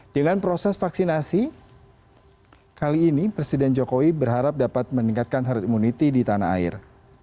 dengan proses vaksinasi kali ini presiden jokowi berharap dapat meningkatkan herd immunity di tanah air